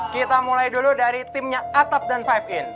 kita mulai dulu dari timnya atap dan lima in